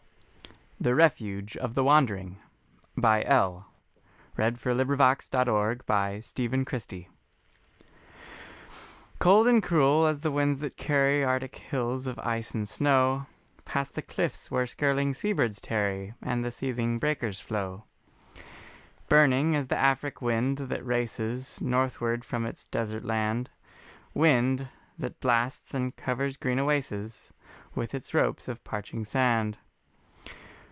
my world a holy land, Let all my life be Christ. XLIX THE REFUGE OF THE WANDERING COLD and cruel as the winds that carry Arctic hills of ice and snow, Past the cliffs where skirling sea birds tarry And the seething breakers flow. Burning as the Afric wind that races Northward from its desert land, Wind that blasts and covers green oases With its ropes of parching sand.